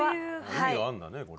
意味があるんだねこれ。